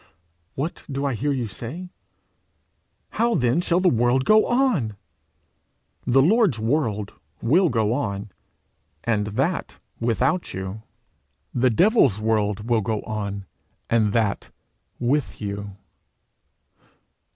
What do I hear you say? 'How then shall the world go on?' The Lord's world will go on, and that without you; the devil's world will go on, and that with you.